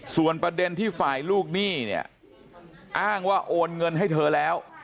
ส่วนประเด็นที่ฝ่ายลูกหนี้เนี่ยอ้างว่าโอนเงินให้เธอแล้ว